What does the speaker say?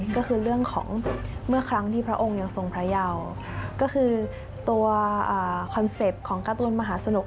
ก็คือเรื่องของเมื่อครั้งที่พระองค์ยังทรงพระเยาก็คือตัวคอนเซ็ปต์ของการ์ตูนมหาสนุก